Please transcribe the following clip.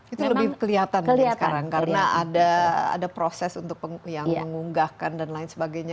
itu lebih kelihatan mungkin sekarang karena ada proses untuk yang mengunggahkan dan lain sebagainya